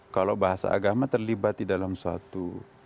kalau bahasa agama terlibat di dalam suatu